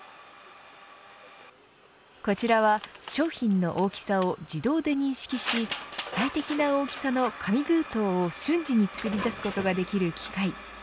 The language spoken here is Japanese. こちらは商品の大きさを自動で認識し最適な大きさの紙封筒を瞬時に作り出すことができる機械。